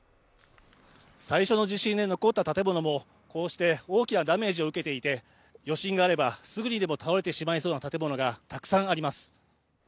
最初の地震で残った建物も、こうして大きなダメージを受けていて、余震があればすぐにでも倒れてしまいそうな建物がたくさんあります。